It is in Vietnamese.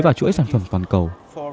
và chuỗi sản phẩm toàn cầu